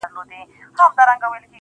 زه د هنرونو له کماله وځم